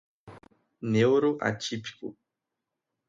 neuroatípico